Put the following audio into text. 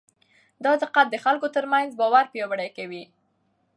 دا دقت د خلکو ترمنځ باور پیاوړی کوي.